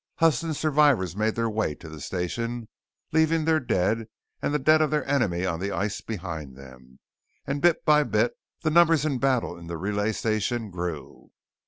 Huston's survivors made their way to the station, leaving their dead and the dead of their enemy on the ice behind them, and bit by bit the numbers embattled in the relay station grew.